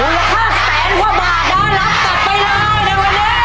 ขอบคุณครับ